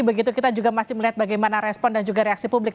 begitu kita juga masih melihat bagaimana respon dan juga reaksi publik